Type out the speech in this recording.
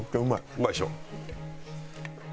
うまいでしょ？